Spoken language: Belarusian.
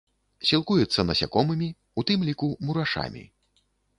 Сілкуецца насякомымі, у тым ліку мурашамі.